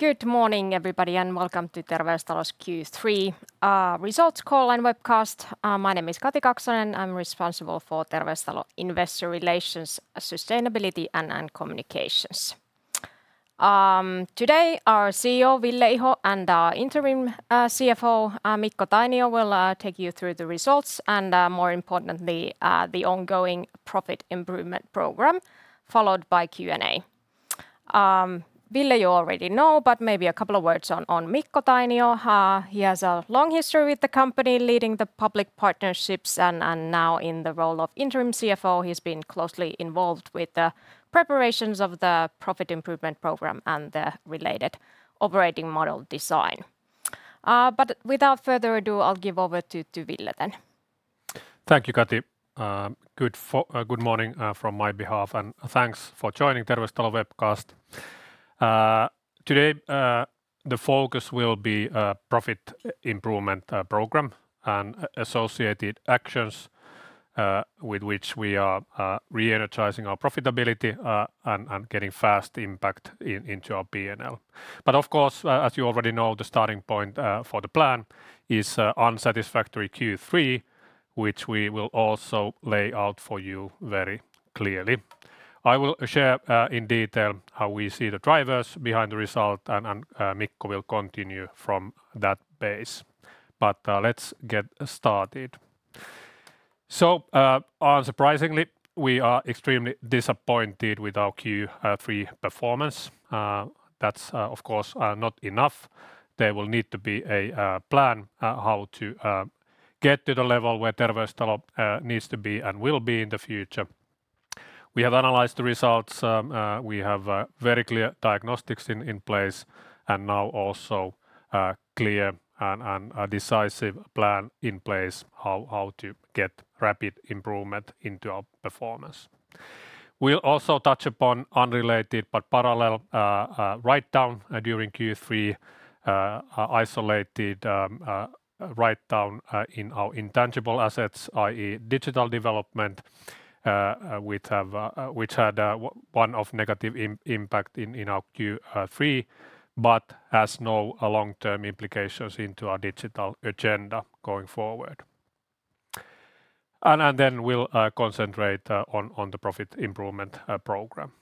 Good morning, everybody, welcome to Terveystalo's Q3 results call and webcast. My name is Kati Kaksonen. I'm responsible for Terveystalo investor relations, sustainability, and communications. Today, our CEO, Ville Iho, and our interim CFO, Mikko Tainio, will take you through the results and, more importantly, the ongoing profit improvement program, followed by Q&A. Ville you already know, but maybe a couple of words on Mikko Tainio. He has a long history with the company leading the public partnerships and now in the role of interim CFO. He's been closely involved with the preparations of the profit improvement program and the related operating model design. Without further ado, I'll give over to Ville then. Thank you, Kati. Good morning from my behalf, thanks for joining Terveystalo webcast. Today, the focus will be profit improvement program and associated actions with which we are re-energizing our profitability and getting fast impact into our P&L. Of course, as you already know, the starting point for the plan is unsatisfactory Q3, which we will also lay out for you very clearly. I will share in detail how we see the drivers behind the result, Mikko will continue from that base. Let's get started. Unsurprisingly, we are extremely disappointed with our Q3 performance. That's of course not enough. There will need to be a plan how to get to the level where Terveystalo needs to be and will be in the future. We have analyzed the results. We have very clear diagnostics in place and now also a clear and decisive plan in place how to get rapid improvement into our performance. We'll also touch upon unrelated but parallel write-down during Q3, isolated write-down in our intangible assets, i.e. digital development, which had one-off negative impact in our Q3, but has no long-term implications into our digital agenda going forward. Then we'll concentrate on the profit improvement program.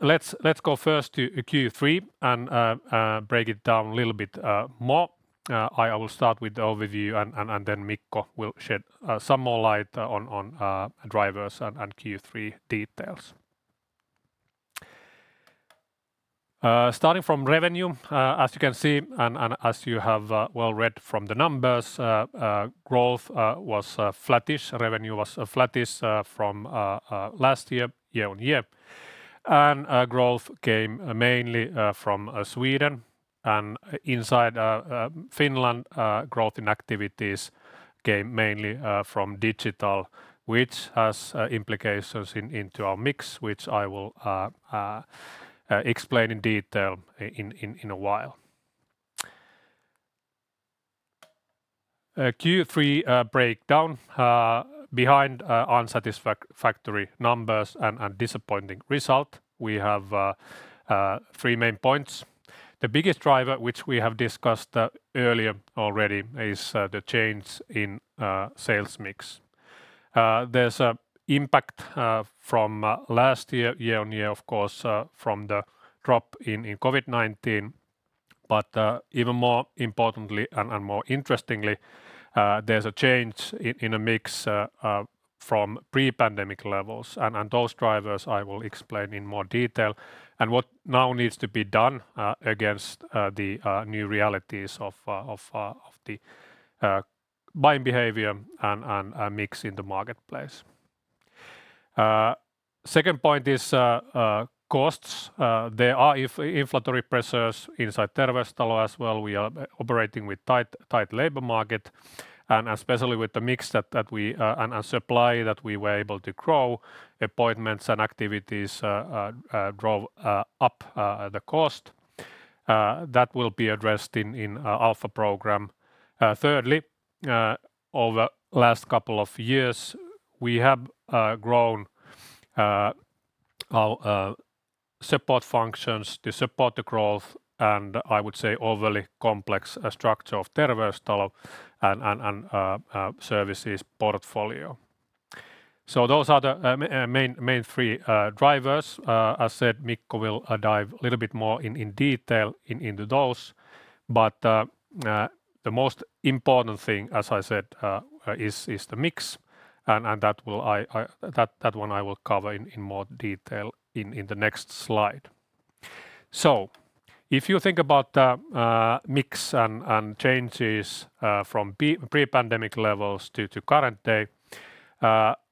Let's go first to Q3 and break it down a little bit more. I will start with the overview, then Mikko will shed some more light on drivers and Q3 details. Starting from revenue, as you can see, as you have well read from the numbers, growth was flattish. Revenue was flattish from last year on year. Growth came mainly from Sweden, inside Finland, growth in activities came mainly from digital, which has implications into our mix, which I will explain in detail in a while. A Q3 breakdown behind unsatisfactory numbers and disappointing result. We have three main points. The biggest driver, which we have discussed earlier already, is the change in sales mix. There's impact from last year on year, of course, from the drop in COVID-19. Even more importantly and more interestingly, there's a change in the mix from pre-pandemic levels. Those drivers I will explain in more detail and what now needs to be done against the new realities of the buying behavior and mix in the marketplace. Second point is costs. There are inflationary pressures inside Terveystalo as well. We are operating with tight labor market, and especially with the mix and supply that we were able to grow, appointments and activities drove up the cost. That will be addressed in Alpha program. Thirdly, over last couple of years, we have grown our support functions to support the growth and, I would say, overly complex structure of Terveystalo and services portfolio. Those are the main three drivers. As said, Mikko will dive a little bit more in detail into those. The most important thing, as I said, is the mix, and that one I will cover in more detail in the next slide. If you think about the mix and changes from pre-pandemic levels to current day,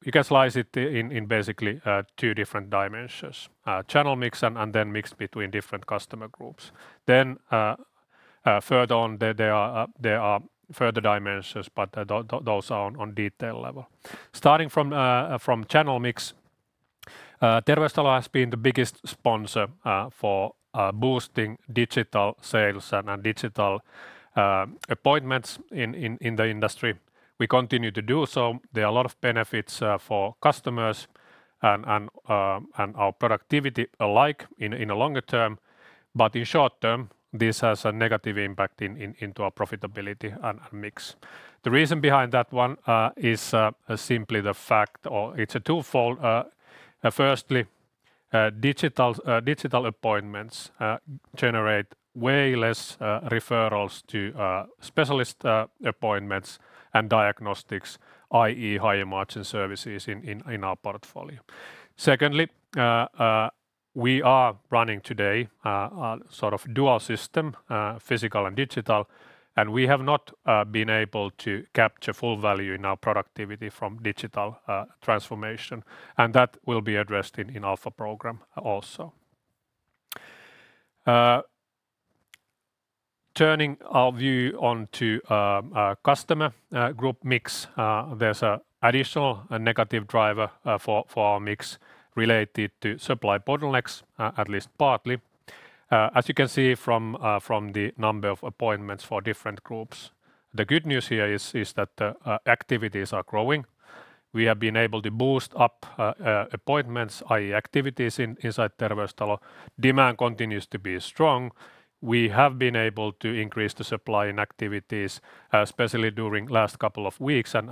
you can slice it in basically two different dimensions, channel mix and then mix between different customer groups. Further on, there are further dimensions, but those are on detail level. Starting from channel mix Terveystalo has been the biggest sponsor for boosting digital sales and digital appointments in the industry. We continue to do so. There are a lot of benefits for customers and our productivity alike in a longer term. In short term, this has a negative impact into our profitability and mix. The reason behind that one is simply the fact, or it's a twofold. Firstly, digital appointments generate way less referrals to specialist appointments and diagnostics, i.e., higher margin services in our portfolio. Secondly, we are running today a sort of dual system, physical and digital, and we have not been able to capture full value in our productivity from digital transformation, and that will be addressed in Alpha program also. Turning our view on to customer group mix. There's additional negative driver for our mix related to supply bottlenecks, at least partly. As you can see from the number of appointments for different groups, the good news here is that the activities are growing. We have been able to boost up appointments, i.e., activities inside Terveystalo. Demand continues to be strong. We have been able to increase the supply in activities, especially during last couple of weeks and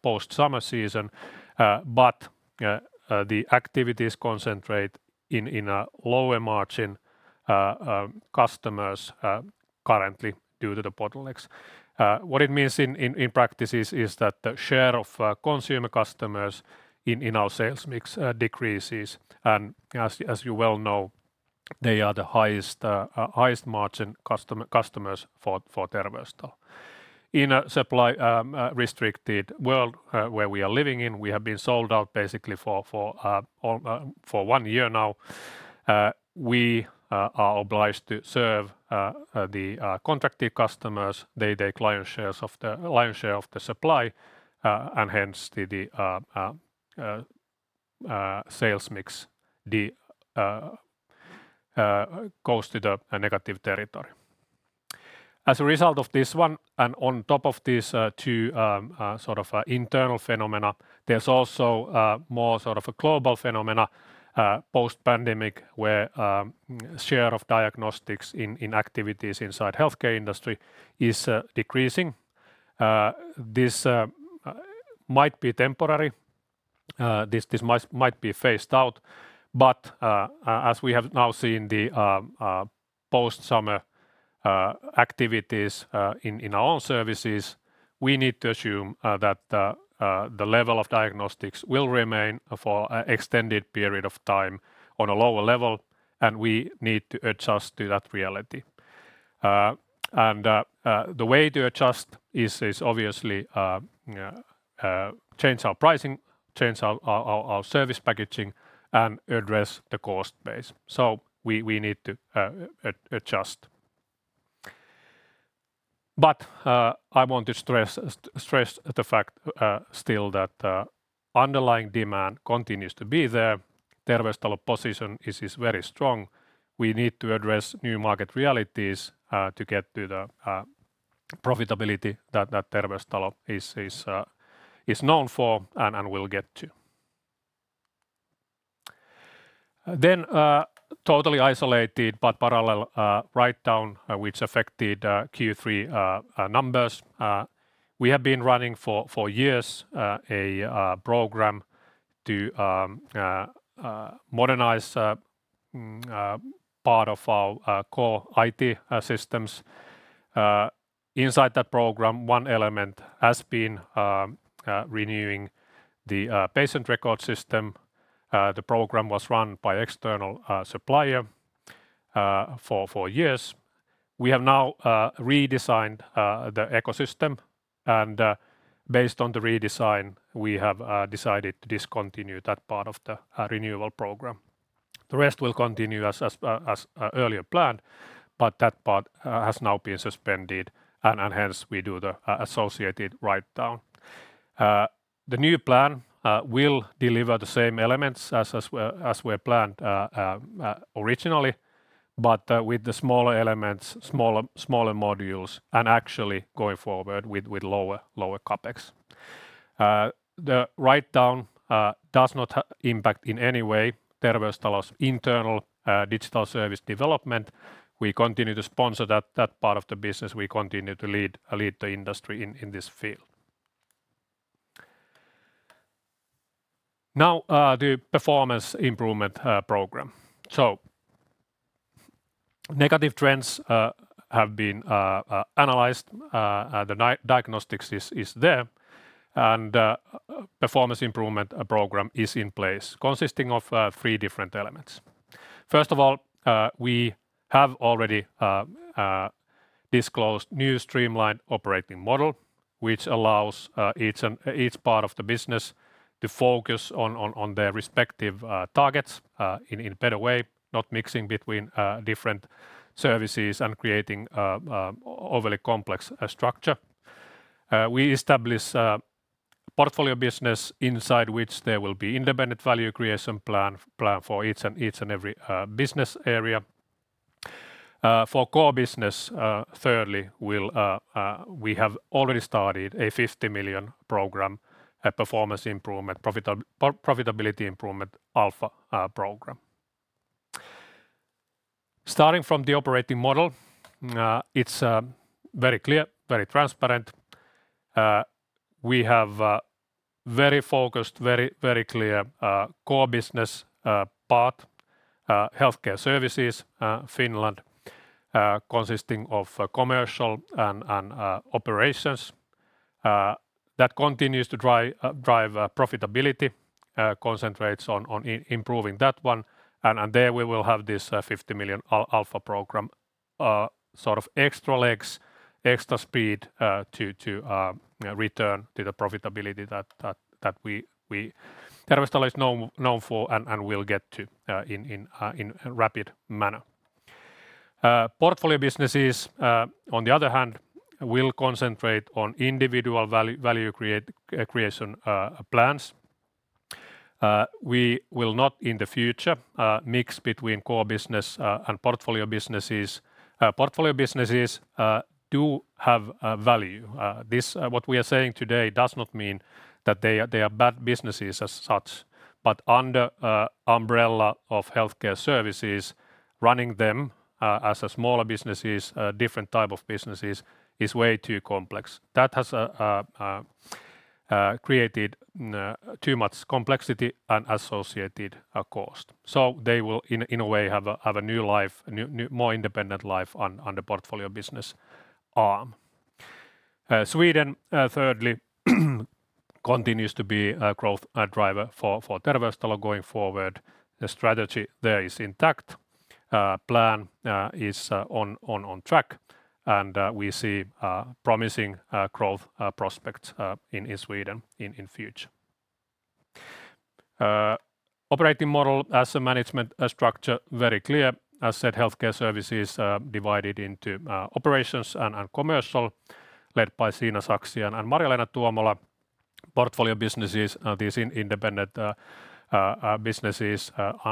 post-summer season. The activities concentrate in a lower margin customers currently due to the bottlenecks. What it means in practice is that the share of consumer customers in our sales mix decreases. As you well know, they are the highest margin customers for Terveystalo. In a supply restricted world where we are living in, we have been sold out basically for one year now. We are obliged to serve the contracted customers. They take lion's share of the supply, and hence the sales mix goes to the negative territory. As a result of this one, and on top of these two sort of internal phenomena, there's also more sort of a global phenomena, post-pandemic, where share of diagnostics in activities inside healthcare industry is decreasing. This might be temporary. This might be phased out. As we have now seen the post-summer activities in our own services, we need to assume that the level of diagnostics will remain for extended period of time on a lower level, and we need to adjust to that reality. The way to adjust is obviously change our pricing, change our service packaging and address the cost base. We need to adjust. I want to stress the fact still that underlying demand continues to be there. Terveystalo position is very strong. We need to address new market realities to get to the profitability that Terveystalo is known for and will get to. Totally isolated but parallel write-down affected Q3 numbers. We have been running for years a program to modernize part of our core IT systems. Inside that program, one element has been renewing the patient record system. The program was run by external supplier for years. We have now redesigned the ecosystem, and based on the redesign, we have decided to discontinue that part of the renewal program. The rest will continue as earlier planned, but that part has now been suspended, and hence we do the associated write-down. The new plan will deliver the same elements as were planned originally, but with the smaller elements, smaller modules, and actually going forward with lower CapEx. The write-down does not impact in any way Terveystalo's internal digital service development. We continue to sponsor that part of the business. We continue to lead the industry in this field. Now, the performance improvement program. Negative trends have been analyzed. The diagnostics is there, and performance improvement program is in place consisting of three different elements. First of all, we have already disclosed new streamlined operating model, which allows each part of the business to focus on their respective targets in better way, not mixing between different services and creating overly complex structure. We establish a portfolio business inside which there will be independent value creation plan for each and every business area. For core business, thirdly, we have already started a 50 million program, a performance improvement, profitability improvement Alpha program. Starting from the operating model, it's very clear, very transparent. We have very focused, very clear core business part, healthcare services, Finland consisting of commercial and operations that continues to drive profitability, concentrates on improving that one, and there we will have this 50 million Alpha program, sort of extra legs, extra speed to return to the profitability that Terveystalo is known for and will get to in a rapid manner. Portfolio businesses, on the other hand, will concentrate on individual value creation plans. We will not, in the future, mix between core business and portfolio businesses. Portfolio businesses do have value. What we are saying today does not mean that they are bad businesses as such, but under umbrella of healthcare services, running them as smaller businesses, different type of businesses, is way too complex. That has created too much complexity and associated cost. They will, in a way, have a new life, a more independent life on the portfolio business arm. Sweden, thirdly, continues to be a growth driver for Terveystalo going forward. The strategy there is intact. Plan is on track and we see promising growth prospects in Sweden in future. Operating model as a management structure, very clear. As said, healthcare services divided into operations and commercial, led by Siina Saksi and Marja-Leena Tuomola. Portfolio businesses are these independent businesses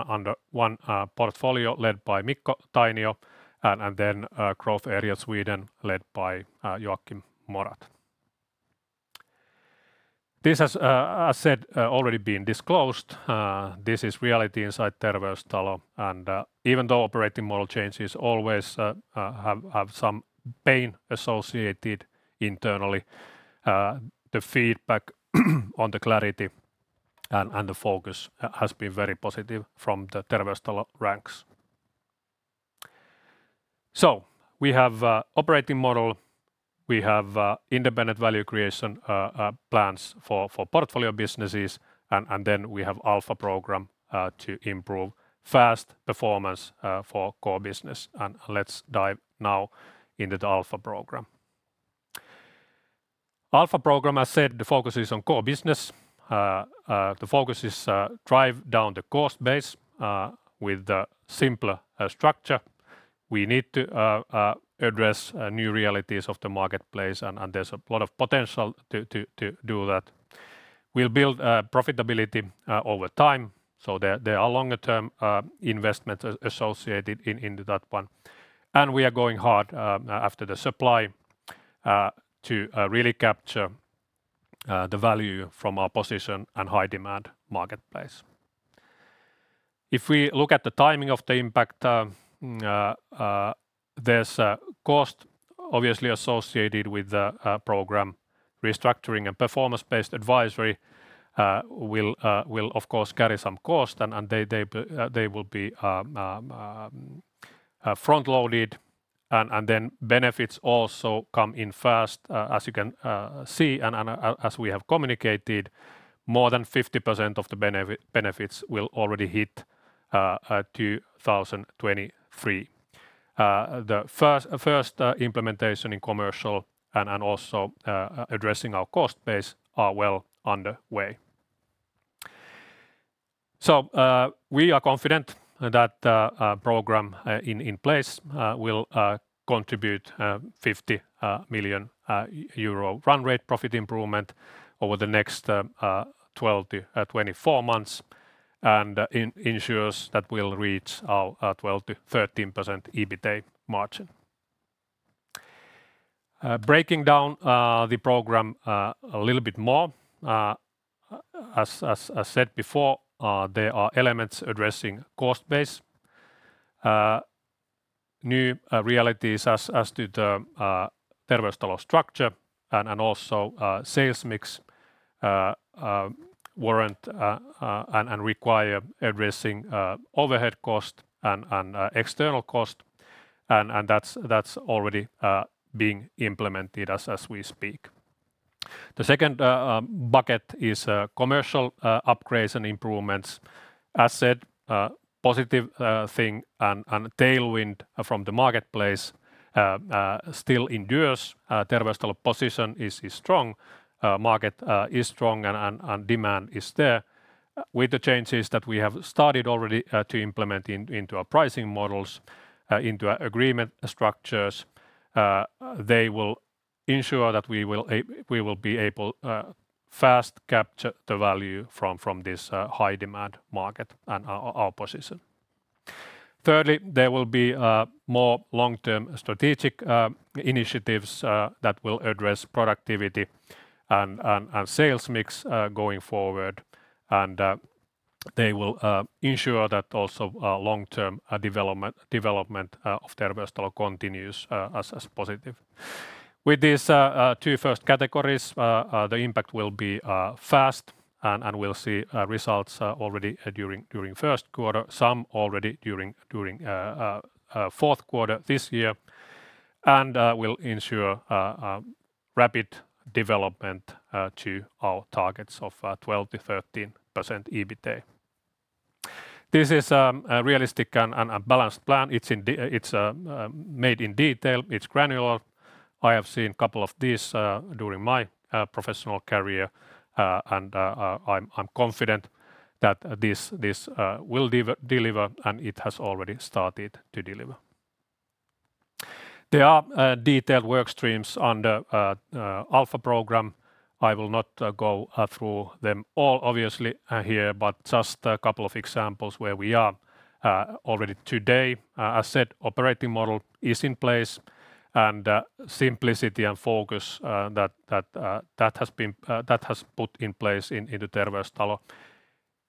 under one portfolio led by Mikko Tainio, and then growth area Sweden, led by Joachim Morath. This has, as said, already been disclosed. This is reality inside Terveystalo, and even though operating model changes always have some pain associated internally, the feedback on the clarity and the focus has been very positive from the Terveystalo ranks. We have operating model, we have independent value creation plans for portfolio businesses, and then we have Alpha program to improve fast performance for core business. Let's dive now into the Alpha program. Alpha program, as said, the focus is on core business. The focus is drive down the cost base with a simpler structure. We need to address new realities of the marketplace, and there's a lot of potential to do that. We'll build profitability over time, so there are longer-term investments associated into that one. We are going hard after the supply to really capture the value from our position and high demand marketplace. If we look at the timing of the impact, there's a cost obviously associated with the program. Restructuring a performance-based advisory will of course carry some cost, and they will be front-loaded, and then benefits also come in first. As you can see and as we have communicated, more than 50% of the benefits will already hit 2023. The first implementation in commercial and also addressing our cost base are well underway. We are confident that program in place will contribute 50 million euro run rate profit improvement over the next 12-24 months, and ensures that we'll reach our 12%-13% EBITA margin. Breaking down the program a little bit more, as said before, there are elements addressing cost base. New realities as to the Terveystalo structure and also sales mix warrant and require addressing overhead cost and external cost and that's already being implemented as we speak. The second bucket is commercial upgrades and improvements. As said, positive thing and tailwind from the marketplace still endures. Terveystalo position is strong, market is strong, and demand is there. With the changes that we have started already to implement into our pricing models, into our agreement structures, they will ensure that we will be able to fast capture the value from this high-demand market and our position. Thirdly, there will be more long-term strategic initiatives that will address productivity and sales mix going forward. They will ensure that also long-term development of Terveystalo continues as positive. With these two first categories, the impact will be fast, and we'll see results already during first quarter, some already during fourth quarter this year. Will ensure rapid development to our targets of 12%-13% EBITA. This is a realistic and a balanced plan. It's made in detail. It's granular. I have seen a couple of these during my professional career, and I'm confident that this will deliver, and it has already started to deliver. There are detailed work streams under Alpha program. I will not go through them all, obviously, here, but just a couple of examples where we are already today. As said, operating model is in place, and simplicity and focus that has put in place into Terveystalo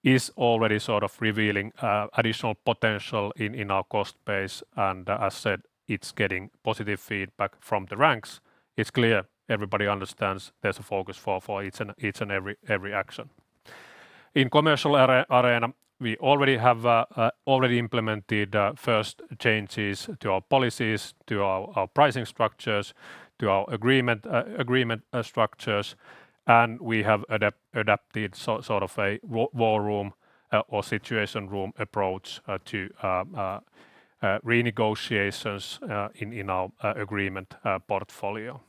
is already sort of revealing additional potential in our cost base. As said, it's getting positive feedback from the ranks. It's clear everybody understands there's a focus for each and every action. In commercial arena, we already implemented first changes to our policies, to our pricing structures, to our agreement structures, and we have adapted a war room or situation room approach to renegotiations in our agreement portfolio.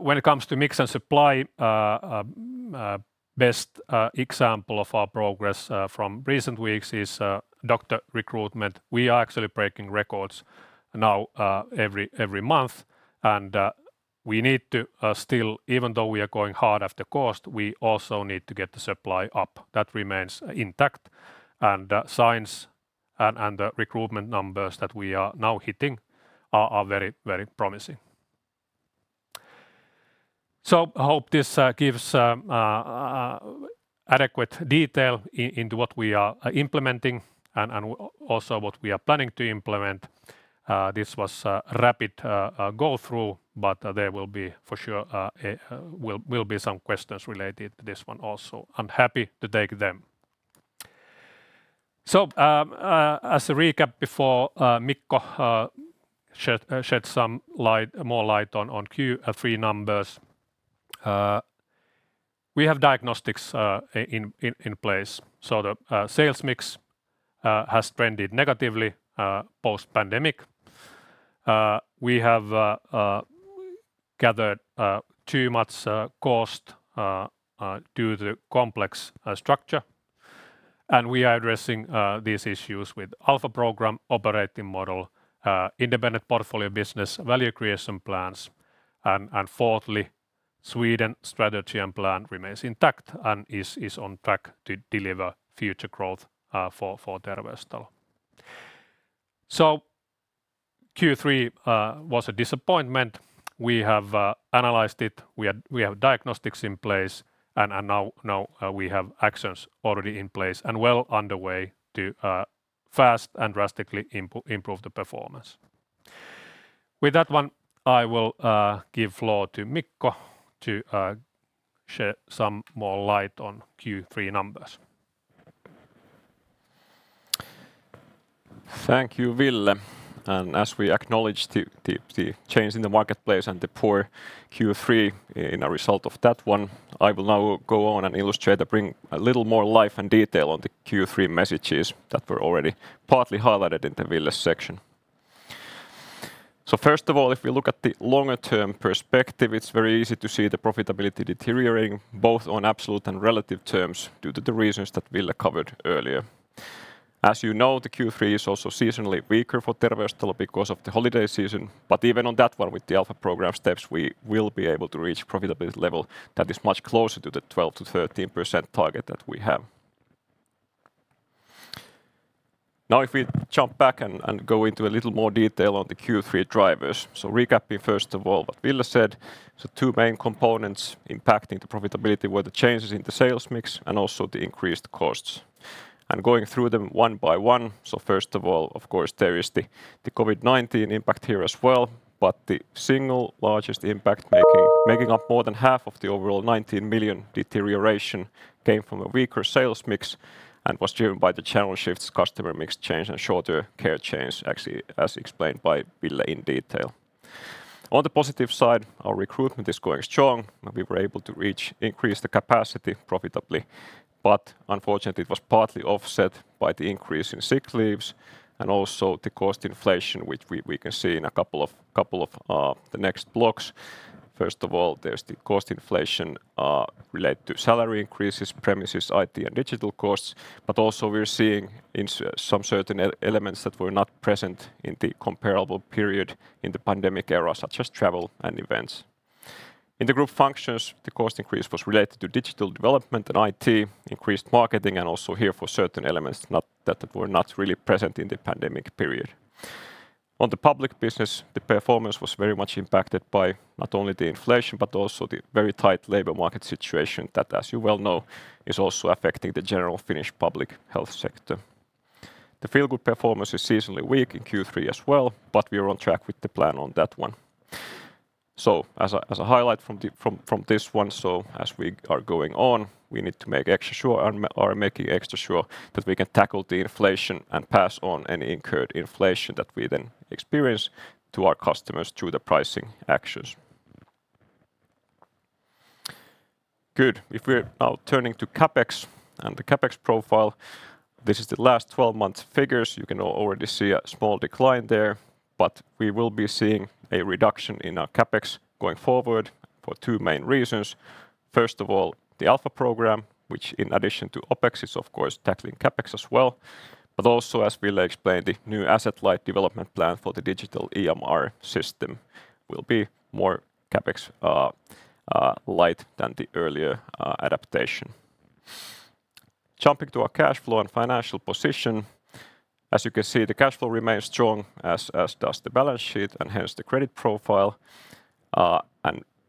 When it comes to mix and supply, best example of our progress from recent weeks is doctor recruitment. We are actually breaking records now every month. Even though we are going hard after cost, we also need to get the supply up. That remains intact. Signs and the recruitment numbers that we are now hitting are very promising. I hope this gives adequate detail into what we are implementing and also what we are planning to implement. This was a rapid go-through, but there will be some questions related to this one also. I'm happy to take them. As a recap before Mikko sheds more light on Q3 numbers. We have diagnostics in place. The sales mix has trended negatively post-pandemic. We have gathered too much cost due to complex structure. We are addressing these issues with Alpha program operating model, independent portfolio business value creation plans. Fourthly, Sweden strategy and plan remains intact and is on track to deliver future growth for Terveystalo. Q3 was a disappointment. We have analyzed it. We have diagnostics in place, and now we have actions already in place and well underway to fast and drastically improve the performance. With that one, I will give floor to Mikko to shed some more light on Q3 numbers. Thank you, Ville. As we acknowledge the change in the marketplace and the poor Q3 in a result of that one, I will now go on and illustrate and bring a little more life and detail on the Q3 messages that were already partly highlighted in the Ville section. First of all, if we look at the longer-term perspective, it's very easy to see the profitability deteriorating, both on absolute and relative terms, due to the reasons that Ville covered earlier. As you know, the Q3 is also seasonally weaker for Terveystalo because of the holiday season. Even on that one, with the Alpha program steps, we will be able to reach profitability level that is much closer to the 12%-13% target that we have. If we jump back and go into a little more detail on the Q3 drivers. Recapping, first of all, what Ville said. Two main components impacting the profitability were the changes in the sales mix and also the increased costs. Going through them one by one. First of all, of course, there is the COVID-19 impact here as well, but the single largest impact making up more than half of the overall 19 million deterioration came from a weaker sales mix and was driven by the channel shifts, customer mix change, and shorter care chains, actually, as explained by Ville in detail. On the positive side, our recruitment is going strong, and we were able to increase the capacity profitably. Unfortunately, it was partly offset by the increase in sick leaves and also the cost inflation, which we can see in a couple of the next blocks. First of all, there's the cost inflation related to salary increases, premises, IT, and digital costs. Also, we're seeing some certain elements that were not present in the comparable period in the pandemic era, such as travel and events. In the group functions, the cost increase was related to digital development and IT, increased marketing, and also here for certain elements that were not really present in the pandemic period. On the public business, the performance was very much impacted by not only the inflation, but also the very tight labor market situation that, as you well know, is also affecting the general Finnish public health sector. The Feelgood performance is seasonally weak in Q3 as well, we are on track with the plan on that one. As a highlight from this one, as we are going on, we need to make extra sure and are making extra sure that we can tackle the inflation and pass on any incurred inflation that we then experience to our customers through the pricing actions. If we're now turning to CapEx and the CapEx profile, this is the last 12-month figures. You can already see a small decline there, we will be seeing a reduction in our CapEx going forward for 2 main reasons. First of all, the Alpha program, which in addition to OpEx is of course tackling CapEx as well. Also as Ville explained, the new asset-light development plan for the digital EMR system will be more CapEx light than the earlier adaptation. Jumping to our cash flow and financial position. As you can see, the cash flow remains strong, as does the balance sheet and hence the credit profile.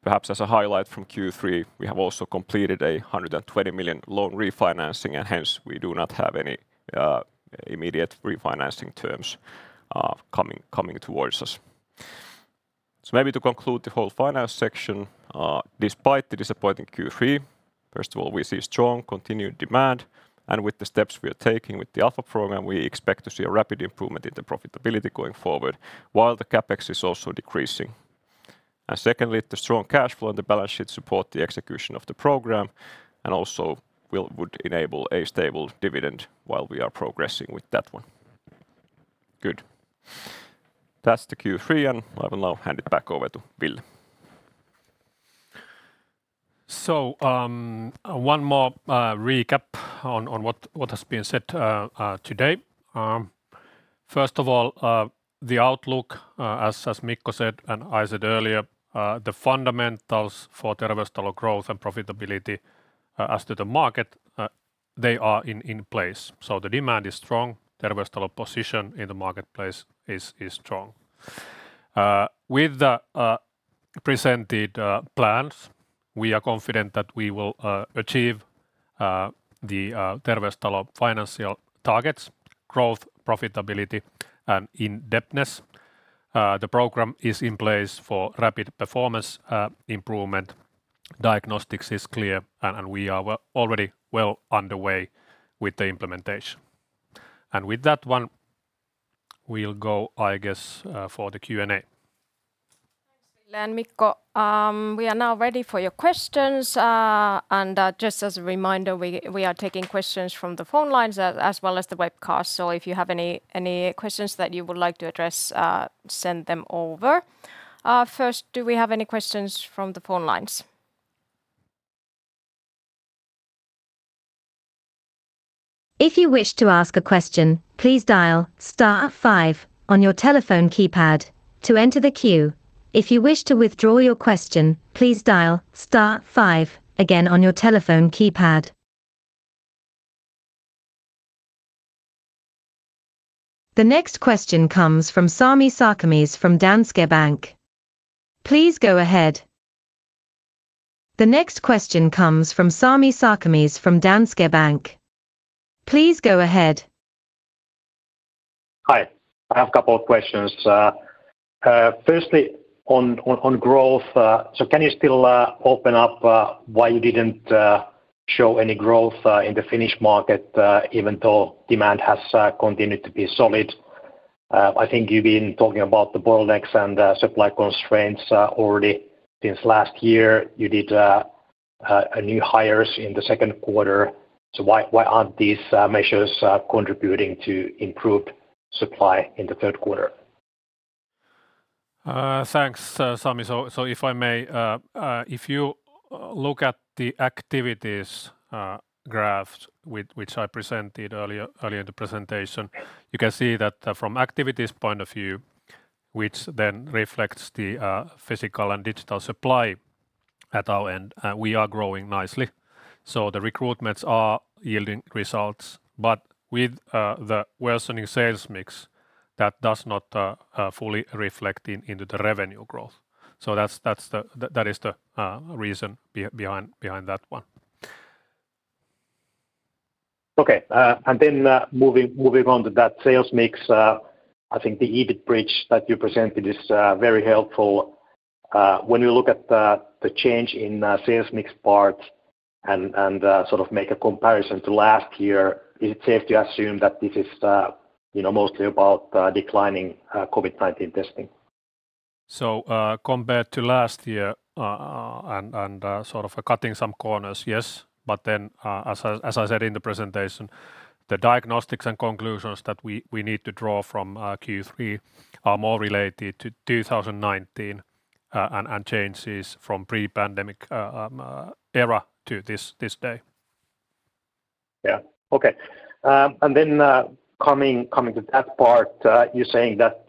Perhaps as a highlight from Q3, we have also completed a 120 million loan refinancing, hence we do not have any immediate refinancing terms coming towards us. Maybe to conclude the whole finance section, despite the disappointing Q3, first of all, we see strong continued demand. With the steps we are taking with the Alpha program, we expect to see a rapid improvement in the profitability going forward, while the CapEx is also decreasing. Secondly, the strong cash flow and the balance sheet support the execution of the program and also would enable a stable dividend while we are progressing with that one. That's the Q3, I will now hand it back over to Ville. One more recap on what has been said today. First of all, the outlook, as Mikko said and I said earlier, the fundamentals for Terveystalo growth and profitability as to the market, they are in place. The demand is strong. Terveystalo position in the marketplace is strong. With the presented plans, we are confident that we will achieve the Terveystalo financial targets, growth, profitability, and indebtedness. The program is in place for rapid performance improvement. Diagnostics is clear, and we are already well underway with the implementation. With that one, we will go, I guess, for the Q&A. Thanks, Ville and Mikko. We are now ready for your questions. Just as a reminder, we are taking questions from the phone lines as well as the webcast. If you have any questions that you would like to address, send them over. First, do we have any questions from the phone lines? If you wish to ask a question, please dial star 5 on your telephone keypad to enter the queue. If you wish to withdraw your question, please dial star 5 again on your telephone keypad. The next question comes from Sami Sarkamies from Danske Bank. Please go ahead. The next question comes from Sami Sarkamies from Danske Bank. Please go ahead. Hi. I have a couple of questions. Firstly, on growth. Can you still open up why you didn't show any growth in the Finnish market, even though demand has continued to be solid? I think you've been talking about the bottlenecks and supply constraints already since last year. You did new hires in the second quarter. Why aren't these measures contributing to improved supply in the third quarter? Thanks, Sami. If I may, if you look at the activities graphs which I presented earlier in the presentation, you can see that from activities point of view, which then reflects the physical and digital supply at our end, we are growing nicely. The recruitments are yielding results, but with the worsening sales mix, that does not fully reflect into the revenue growth. That is the reason behind that one. Okay. Moving on to that sales mix, I think the EBIT bridge that you presented is very helpful. When you look at the change in sales mix part and sort of make a comparison to last year, is it safe to assume that this is mostly about declining COVID-19 testing? Compared to last year, and sort of cutting some corners, yes. As I said in the presentation, the diagnostics and conclusions that we need to draw from Q3 are more related to 2019 and changes from pre-pandemic era to this day. Yeah. Okay. Coming to that part, you are saying that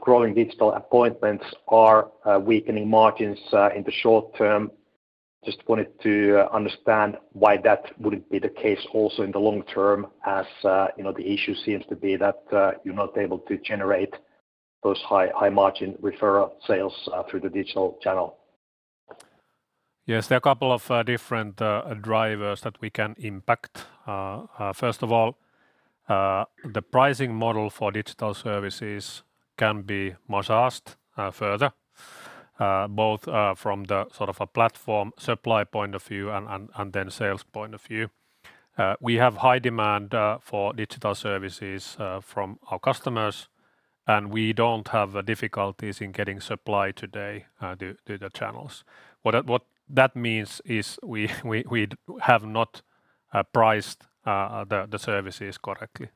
growing digital appointments are weakening margins in the short term. Just wanted to understand why that wouldn't be the case also in the long term, as the issue seems to be that you are not able to generate those high margin referral sales through the digital channel. Yes, there are a couple of different drivers that we can impact. First of all, the pricing model for digital services can be massaged further, both from the platform supply point of view and sales point of view. We have high demand for digital services from our customers, and we don't have difficulties in getting supply today to the channels. What that means is we have not priced the services correctly.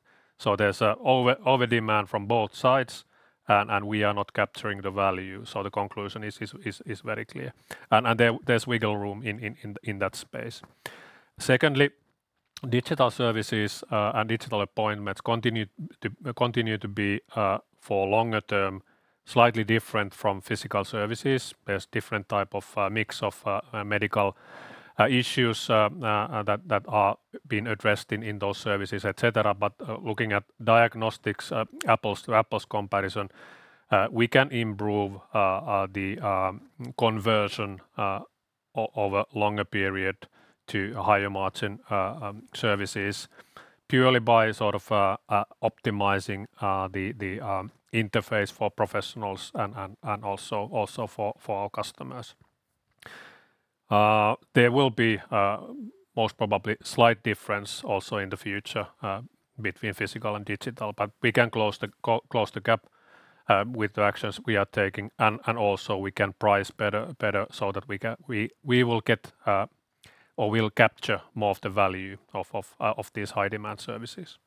There's over-demand from both sides, and we are not capturing the value. The conclusion is very clear. There's wiggle room in that space. Secondly, digital services and digital appointments continue to be, for longer term, slightly different from physical services. There's different type of mix of medical issues that are being addressed in those services, et cetera. Looking at diagnostics, apples-to-apples comparison, we can improve the conversion over longer period to higher margin services purely by optimizing the interface for professionals and also for our customers. There will be most probably slight difference also in the future between physical and digital. We can close the gap with the actions we are taking, and also we can price better so that we will capture more of the value of these high-demand services.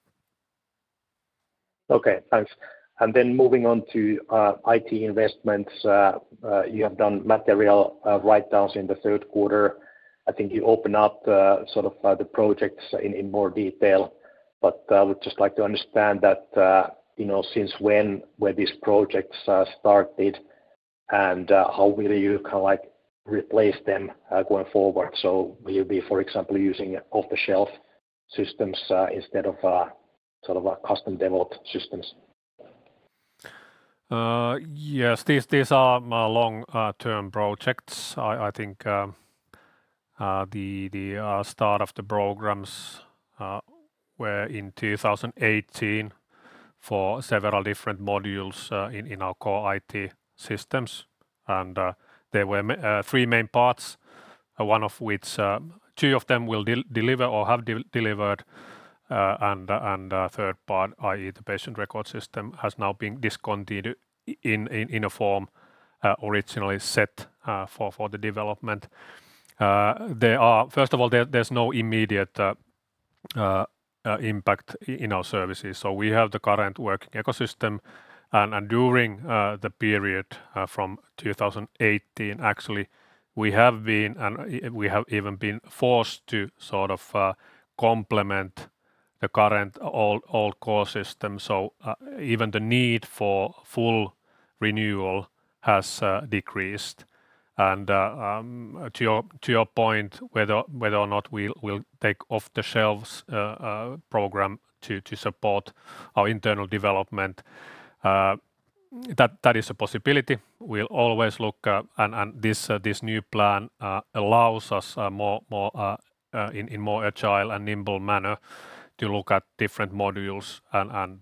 Okay, thanks. Moving on to IT investments. You have done material write-downs in the third quarter. I think you open up the projects in more detail. I would just like to understand that since when were these projects started, and how will you replace them going forward? Will you be, for example, using off-the-shelf systems instead of custom-developed systems? Yes, these are long-term projects. I think the start of the programs were in 2018 for several different modules in our core IT systems. There were three main parts, two of them will deliver or have delivered, and third part, i.e., the patient record system, has now been discontinued in a form originally set for the development. First of all, there's no immediate impact in our services. We have the current working ecosystem, and during the period from 2018, actually, we have even been forced to complement the current old core system. Even the need for full renewal has decreased. To your point, whether or not we'll take off-the-shelf program to support our internal development, that is a possibility. This new plan allows us in more agile and nimble manner to look at different modules and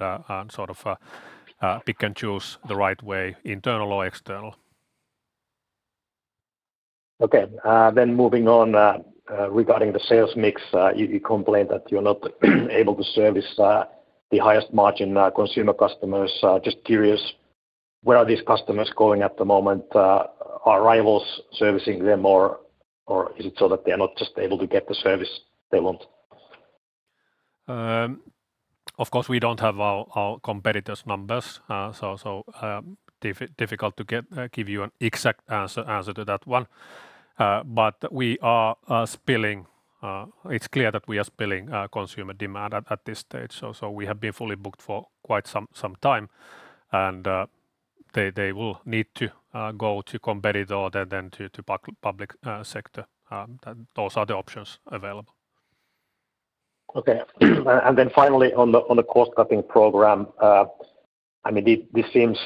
pick and choose the right way, internal or external. Moving on, regarding the sales mix, you complained that you're not able to service the highest margin consumer customers. Just curious, where are these customers going at the moment? Are rivals servicing them, or is it so that they are not just able to get the service they want? Of course, we don't have our competitors' numbers, so difficult to give you an exact answer to that one. It's clear that we are spilling consumer demand at this stage. We have been fully booked for quite some time. They will need to go to competitor than to public sector. Those are the options available. Okay. Finally, on the cost-cutting program. This seems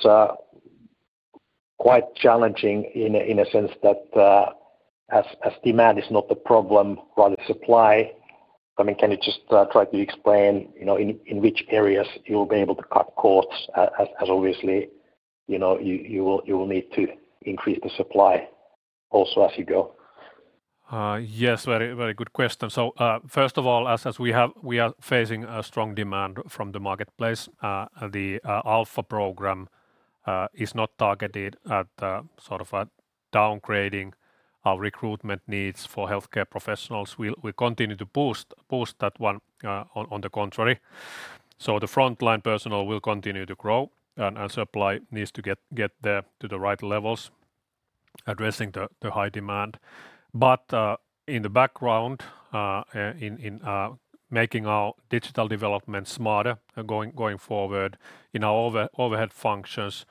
quite challenging in a sense that as demand is not the problem, rather supply. Can you just try to explain in which areas you'll be able to cut costs, as obviously you will need to increase the supply also as you go? Yes, very good question. First of all, as we are facing a strong demand from the marketplace, the Alpha program is not targeted at downgrading our recruitment needs for healthcare professionals. We'll continue to boost that one, on the contrary. The frontline personnel will continue to grow, and supply needs to get there to the right levels addressing the high demand. In the background, in making our digital development smarter going forward in our overhead functions,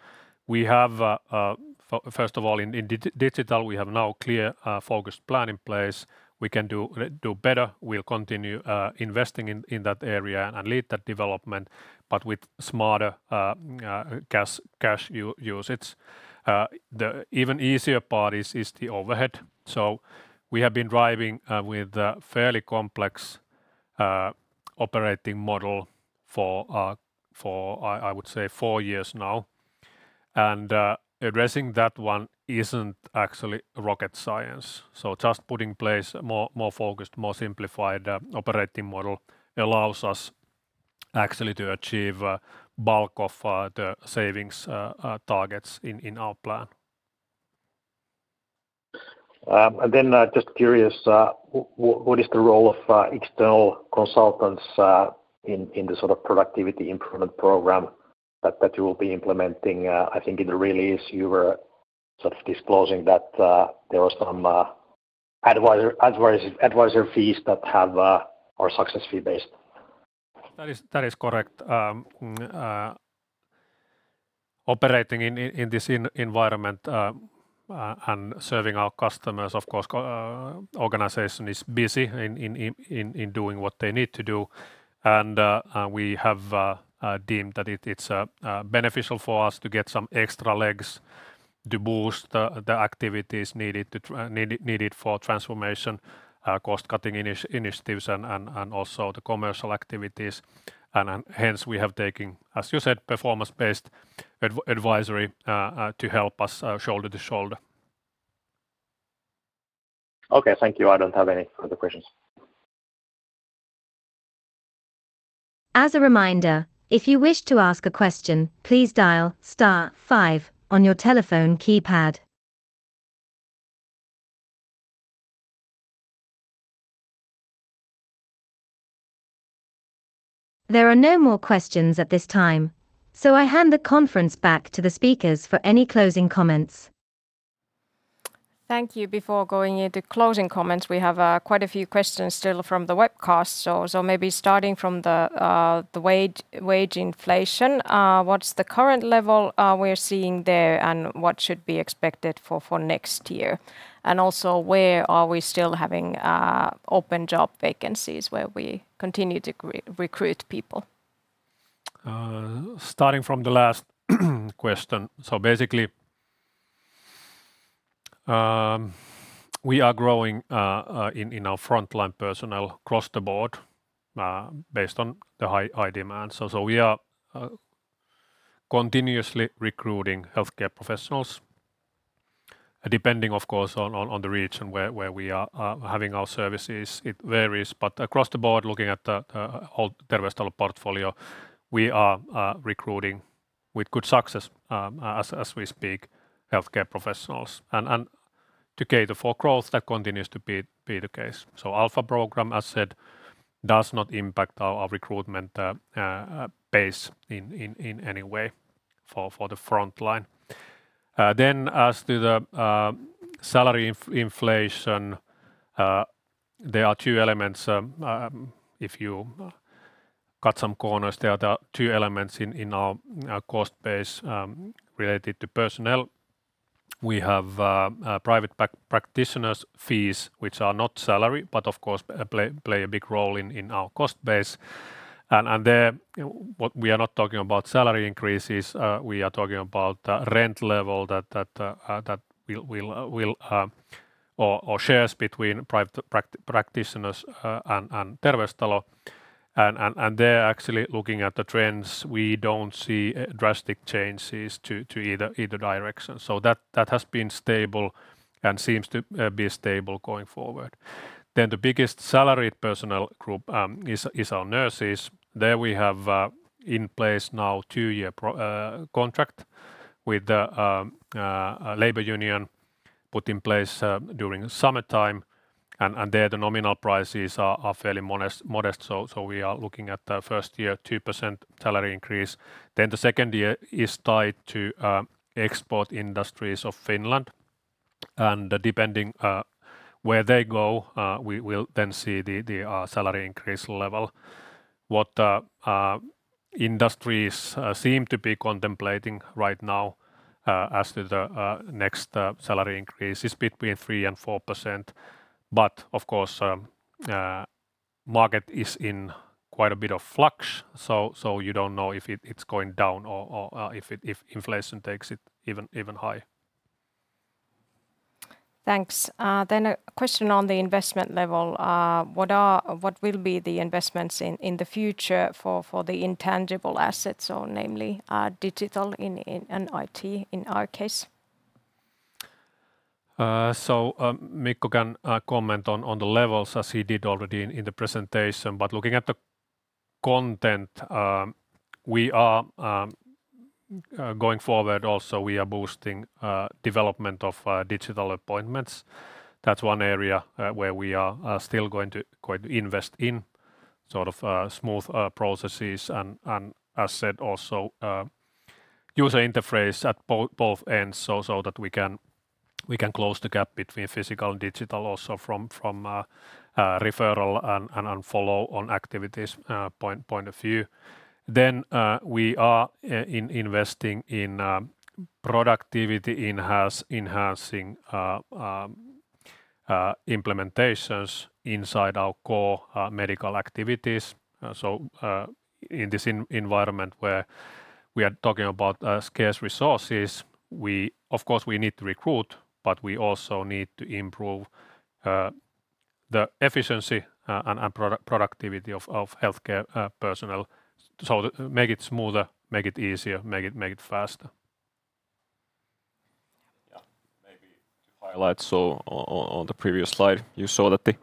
first of all, in digital, we have now clear focused plan in place. We can do better. We'll continue investing in that area and lead that development, but with smarter cash usage. The even easier part is the overhead. We have been driving with fairly complex operating model for, I would say, four years now. Addressing that one isn't actually rocket science. Just putting in place a more focused, more simplified operating model allows us actually to achieve bulk of the savings targets in our plan. Just curious, what is the role of external consultants in the sort of productivity improvement program that you will be implementing? I think in the release you were sort of disclosing that there were some advisor fees that are success fee based. That is correct. Operating in this environment and serving our customers, of course, organization is busy in doing what they need to do. We have deemed that it's beneficial for us to get some extra legs to boost the activities needed for transformation, cost-cutting initiatives and also the commercial activities. Hence, we have taken, as you said, performance-based advisory to help us shoulder to shoulder. Okay. Thank you. I don't have any further questions. As a reminder, if you wish to ask a question, please dial star five on your telephone keypad. There are no more questions at this time. I hand the conference back to the speakers for any closing comments. Thank you. Before going into closing comments, we have quite a few questions still from the webcast. Maybe starting from the wage inflation, what's the current level we're seeing there and what should be expected for next year? Also, where are we still having open job vacancies where we continue to recruit people? Starting from the last question. Basically, we are growing in our frontline personnel across the board based on the high demand. We are continuously recruiting healthcare professionals depending of course, on the region where we are having our services, it varies, but across the board looking at the whole Terveystalo portfolio, we are recruiting, with good success as we speak, healthcare professionals. To cater for growth, that continues to be the case. Alpha program, as said, does not impact our recruitment base in any way for the frontline. As to the salary inflation, there are two elements. If you cut some corners, there are the two elements in our cost base related to personnel. We have private practitioners' fees, which are not salary, but of course, play a big role in our cost base. There we are not talking about salary increases, we are talking about rent level or shares between private practitioners and Terveystalo. There actually looking at the trends, we don't see drastic changes to either direction. That has been stable and seems to be stable going forward. The biggest salaried personnel group is our nurses. There we have in place now two-year contract with the labor union put in place during summertime. There the nominal prices are fairly modest. We are looking at the first year, 2% salary increase. The second year is tied to export industries of Finland. Depending where they go we will then see the salary increase level. What industries seem to be contemplating right now as to the next salary increase is between 3% and 4%. Of course, market is in quite a bit of flux, you don't know if it's going down or if inflation takes it even high. Thanks. A question on the investment level. What will be the investments in the future for the intangible assets or namely digital and IT in our case? Mikko can comment on the levels as he did already in the presentation. Looking at the content, going forward also we are boosting development of digital appointments. That's one area where we are still going to invest in smooth processes and as said, also user interface at both ends so that we can close the gap between physical and digital also from a referral and follow on activities point of view. We are investing in productivity, enhancing implementations inside our core medical activities. In this environment where we are talking about scarce resources, of course, we need to recruit, but we also need to improve the efficiency and productivity of healthcare personnel. Make it smoother, make it easier, make it faster. Maybe to highlight, on the previous slide, you saw that the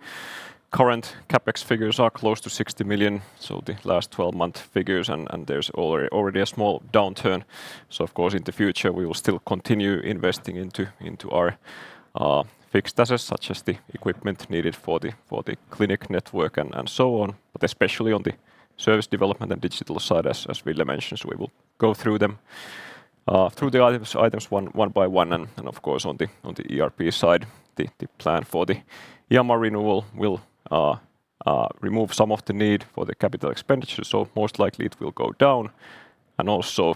current CapEx figures are close to 60 million, the last 12 month figures, there's already a small downturn. Of course in the future, we will still continue investing into our fixed assets such as the equipment needed for the clinic network and so on. Especially on the service development and digital side as Ville mentioned. We will go through the items one by one, and of course on the ERP side, the plan for the JOMAR renewal will remove some of the need for the capital expenditures. Most likely it will go down, and also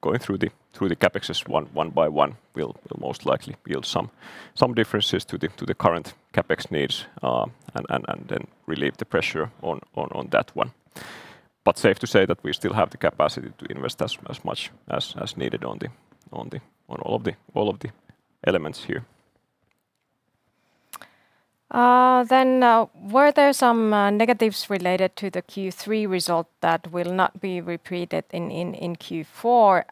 going through the CapExes one by one will most likely yield some differences to the current CapEx needs, and then relieve the pressure on that one. Safe to say that we still have the capacity to invest as much as needed on all of the elements here. Were there some negatives related to the Q3 result that will not be repeated in Q4?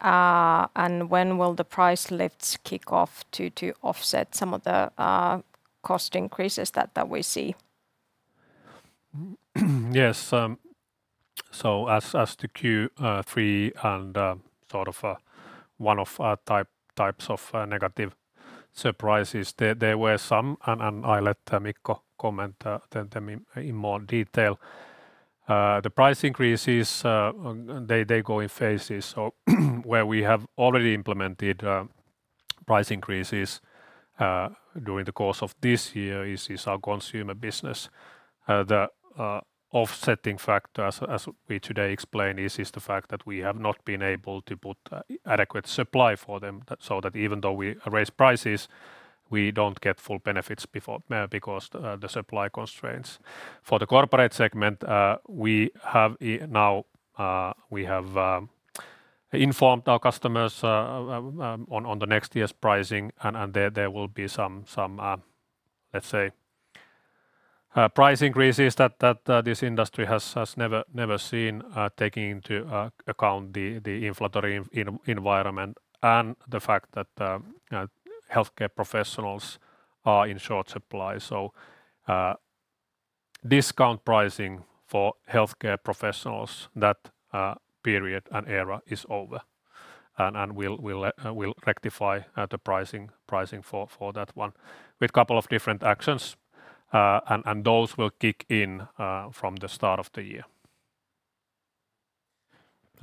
When will the price lifts kick off to offset some of the cost increases that we see? As to Q3 and one of types of negative surprises, there were some, and I let Mikko comment them in more detail. The price increases, they go in phases. Where we have already implemented price increases during the course of this year is our consumer business. The offsetting factor as we today explain, is the fact that we have not been able to put adequate supply for them, so that even though we raise prices, we don't get full benefits because the supply constraints. For the corporate segment, we have informed our customers on the next year's pricing, and there will be some price increases that this industry has never seen taking into account the inflationary environment and the fact that healthcare professionals are in short supply. Discount pricing for healthcare professionals, that period and era is over, and we'll rectify the pricing for that one with couple of different actions. Those will kick in from the start of the year.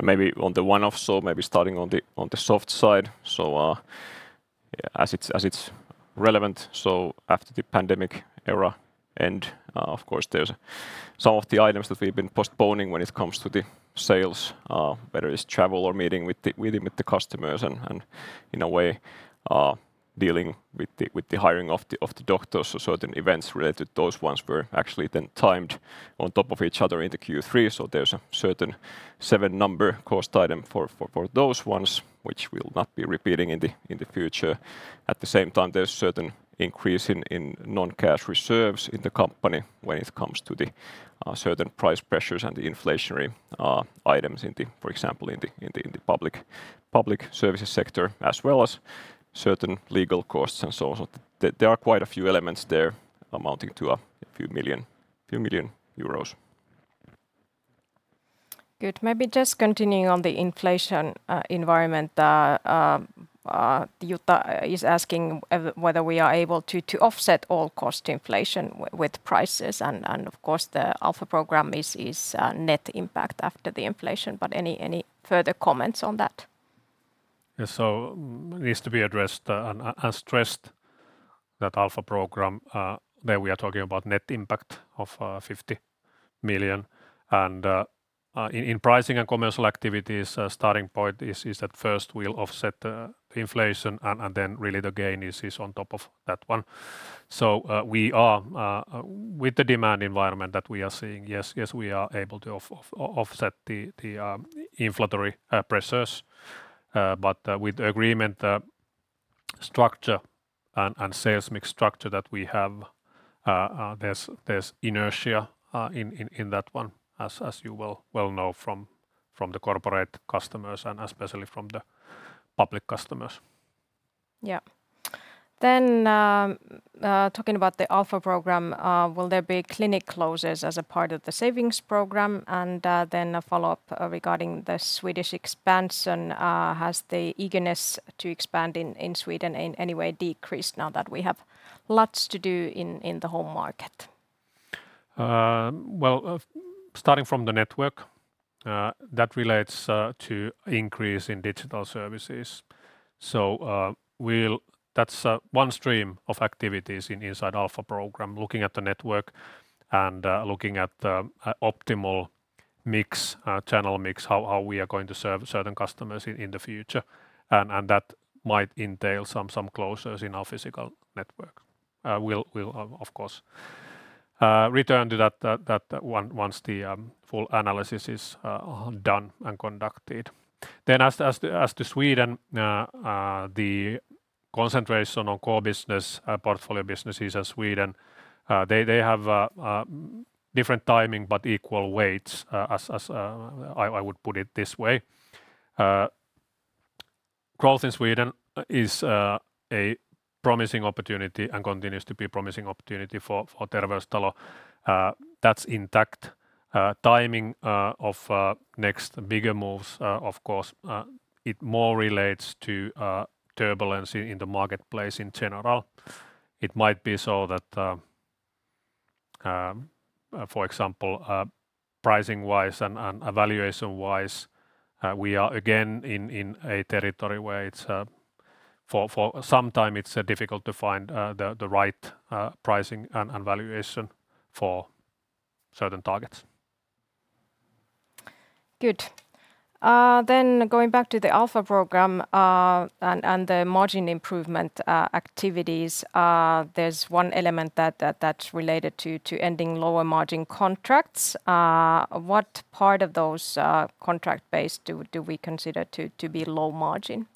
Maybe on the one-off, starting on the soft side. As it's relevant, after the pandemic era, and of course, there's some of the items that we've been postponing when it comes to the sales, whether it's travel or meeting with the customers and in a way dealing with the hiring of the doctors or certain events related to those ones were actually then timed on top of each other into Q3. There's a certain seven-number cost item for those ones, which we'll not be repeating in the future. At the same time, there's certain increase in non-cash reserves in the company when it comes to the certain price pressures and the inflationary items for example, in the public services sector, as well as certain legal costs and so on. There are quite a few elements there amounting to a few million EUR. Good. Maybe just continuing on the inflation environment. Jutta is asking whether we are able to offset all cost inflation with prices. Of course the Alpha program is net impact after the inflation. Any further comments on that? Yes. Needs to be addressed and stressed that Alpha program, there we are talking about net impact of 50 million. In pricing and commercial activities, starting point is at first we'll offset the inflation and then really the gain is on top of that one. With the demand environment that we are seeing, yes, we are able to offset the inflationary pressures. With the agreement structure and sales mix structure that we have, there's inertia in that one as you well know from the corporate customers and especially from the public customers. Yeah. Talking about the Alpha program, will there be clinic closes as a part of the savings program? A follow-up regarding the Swedish expansion. Has the eagerness to expand in Sweden in any way decreased now that we have lots to do in the home market? starting from the network, that relates to increase in digital services. That's one stream of activities in Inside Alpha program, looking at the network and looking at the optimal channel mix, how we are going to serve certain customers in the future. That might entail some closures in our physical network. We'll of course return to that once the full analysis is done and conducted. As to Sweden, the concentration on core business, portfolio businesses in Sweden, they have different timing but equal weights, I would put it this way. Growth in Sweden is a promising opportunity and continues to be a promising opportunity for Terveystalo. That's intact. Timing of next bigger moves, of course, it more relates to turbulence in the marketplace in general. It might be so that, for example pricing wise and valuation wise, we are again in a territory where for some time it's difficult to find the right pricing and valuation for certain targets. Good. Going back to the Alpha program and the margin improvement activities, there's one element that's related to ending lower margin contracts. What part of those contract base do we consider to be low margin?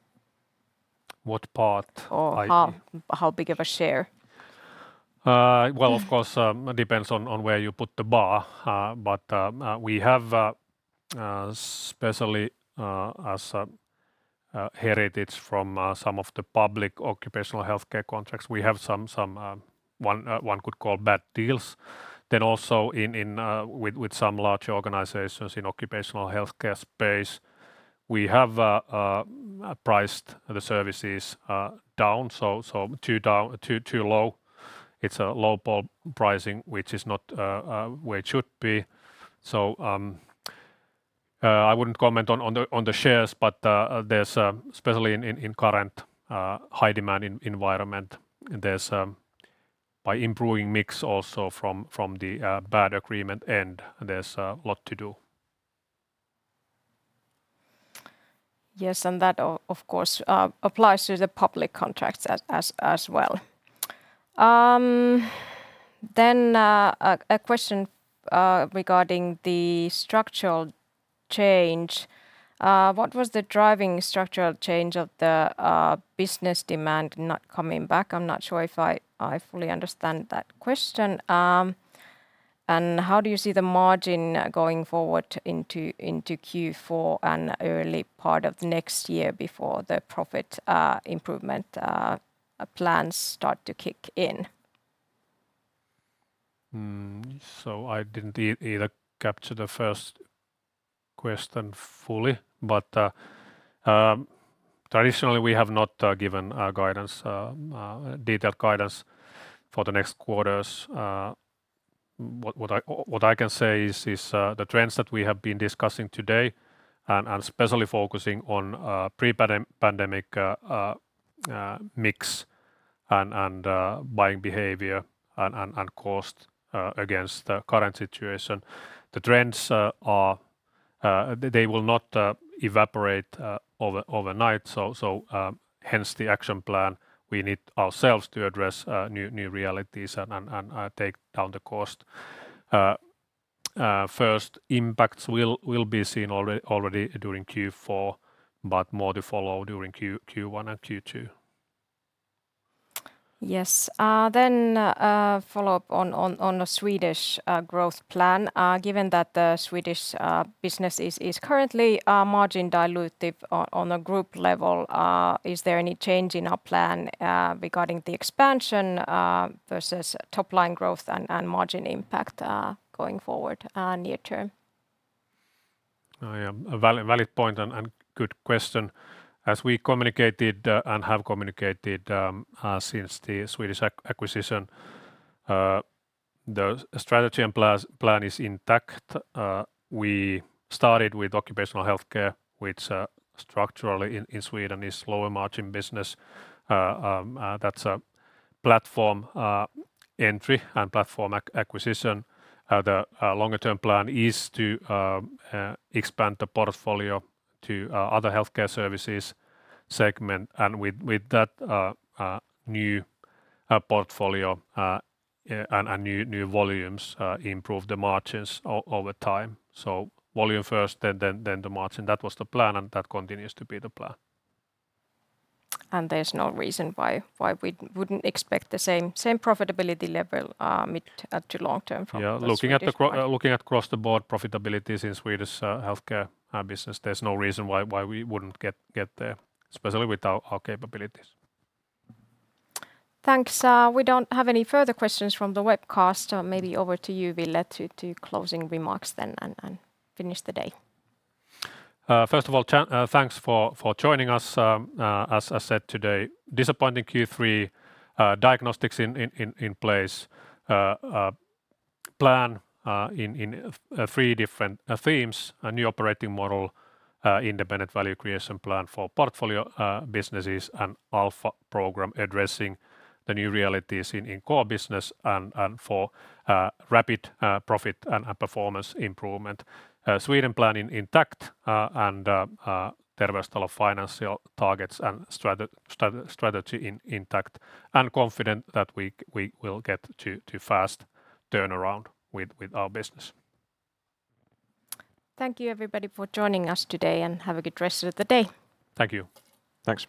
What part? How big of a share? Well, of course, it depends on where you put the bar. We have, especially as a heritage from some of the public occupational healthcare contracts, we have some one could call bad deals. Also with some large organizations in occupational healthcare space, we have priced the services down so too low. It's a low-ball pricing, which is not where it should be. I wouldn't comment on the shares, but there's especially in current high demand environment, there's by improving mix also from the bad agreement end, there's a lot to do. Yes, that of course applies to the public contracts as well. A question regarding the structural change. What was the driving structural change of the business demand not coming back? I'm not sure if I fully understand that question. How do you see the margin going forward into Q4 and early part of next year before the profit improvement plans start to kick in? I didn't either capture the first question fully, traditionally we have not given detailed guidance for the next quarters. What I can say is the trends that we have been discussing today, especially focusing on pre-pandemic mix and buying behavior and cost against the current situation. The trends, they will not evaporate overnight. Hence the action plan, we need ourselves to address new realities and take down the cost. First impacts will be seen already during Q4, more to follow during Q1 and Q2. Yes. A follow-up on the Swedish growth plan. Given that the Swedish business is currently margin dilutive on a group level, is there any change in our plan regarding the expansion versus top-line growth and margin impact going forward near-term? Oh, yeah. A valid point and good question. As we communicated, and have communicated since the Swedish acquisition, the strategy and plan is intact. We started with occupational healthcare, which structurally in Sweden is lower-margin business. That's a platform entry and platform acquisition. The longer-term plan is to expand the portfolio to other healthcare services segment. With that new portfolio and new volumes improve the margins over time. Volume first, then the margin. That was the plan, and that continues to be the plan. There's no reason why we wouldn't expect the same profitability level mid- to long-term from the Swedish- Yeah, looking at across-the-board profitabilities in Swedish healthcare business, there's no reason why we wouldn't get there, especially with our capabilities. Thanks. We don't have any further questions from the webcast. Maybe over to you, Ville, to do closing remarks and finish the day. First of all, thanks for joining us. As I said today, disappointing Q3. Diagnostics in place. Plan in three different themes, a new operating model, independent value creation plan for portfolio businesses, and Alpha program addressing the new realities in core business and for rapid profit and performance improvement. Sweden plan intact, Terveystalo financial targets and strategy intact. Confident that we will get to fast turnaround with our business. Thank you everybody for joining us today, and have a good rest of the day. Thank you. Thanks.